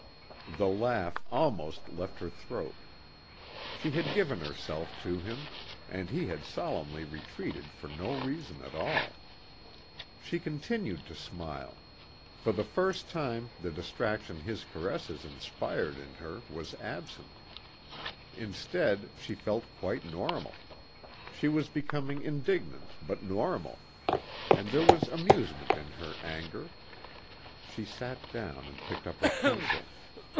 The laugh almost left her throat. She had given herself to him ... and he had solemnly retreated for no reason at all. She continued to smile. For the first time the distraction his caresses inspired in her was absent. Instead she felt quite normal. She was becoming indignant but normal. And there was amusement in her anger. She sat down and picked up her pencil.